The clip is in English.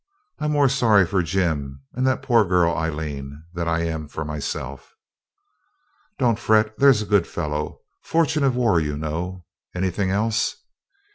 I'm more sorry for Jim and that poor girl, Aileen, than I am for myself.' 'Don't fret there's a good fellow. Fortune of war, you know. Anything else?'